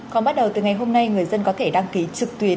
còn bắt đầu từ ngày hôm nay người dân có thể đăng ký trực tuyến